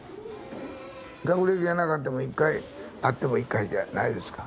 学歴がなかっても１回あっても１回じゃないですか。